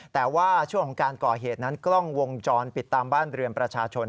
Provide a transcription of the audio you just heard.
แต่ว่าช่วงของการก่อเหตุนั้นกล้องวงจรปิดตามบ้านเรือนประชาชน